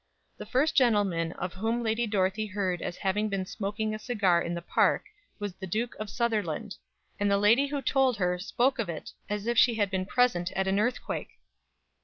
The first gentleman of whom Lady Dorothy heard as having been seen smoking a cigar in the Park was the Duke of Sutherland, and the lady who told her spoke of it as if she had been present at an earthquake!